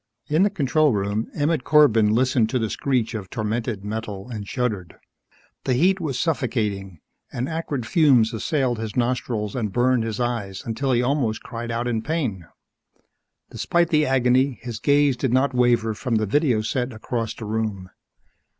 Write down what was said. In the control room, Emmett Corbin listened to the screech of tormented metal and shuddered. The heat was suffocating, and acrid fumes assailed his nostrils and burned his eyes until he almost cried out in pain. Despite the agony, his gaze did not waver from the video set across the room.